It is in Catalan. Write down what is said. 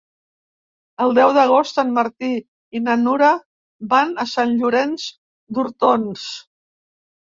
El deu d'agost en Martí i na Nura van a Sant Llorenç d'Hortons.